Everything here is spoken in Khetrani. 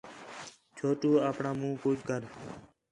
چھوٹو آپݨاں مُنہ کَج کر